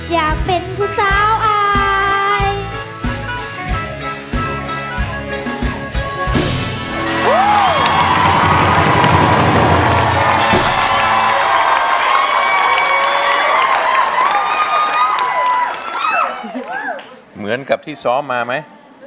อยากเป็นผู้สาวอาย